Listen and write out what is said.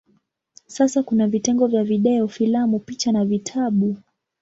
Sasa kuna vitengo vya video, filamu, picha na vitabu.